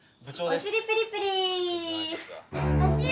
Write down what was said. ・おしりプリプリ！